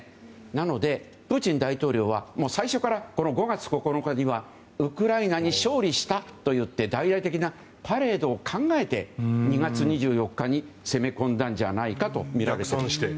なので、プーチン大統領は最初から５月９日にはウクライナに勝利したといって大々的なパレードを考えて、２月２４日に攻め込んだんじゃないかとみられています。